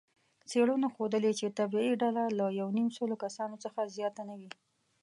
څېړنو ښودلې، چې طبیعي ډله له یونیمسلو کسانو څخه زیاته نه وي.